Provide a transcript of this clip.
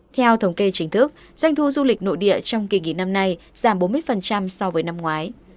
theo thống kê chính thức doanh thu du lịch nội địa trong kỳ nghỉ năm nay giảm bốn mươi so với năm ngoái